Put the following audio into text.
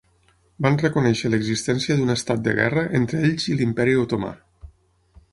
Van reconèixer l'existència d'un estat de guerra entre ells i l'Imperi Otomà.